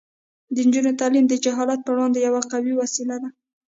د نجونو تعلیم د جهالت پر وړاندې یوه قوي وسله ده.